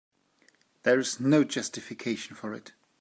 There was no justification for it.